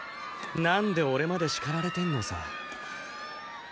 なんで俺まで叱られてんのさ。